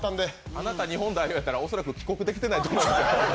あなた、日本代表やったら恐らく帰国できてなかったと思います。